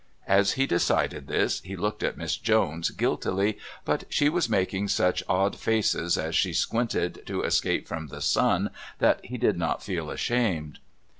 As he decided this he looked at Miss Jones guiltily, but she was making such odd faces as she squinted to escape from the sun that he did not feel ashamed.